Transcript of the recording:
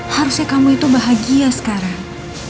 harusnya kamu itu bahagia sekarang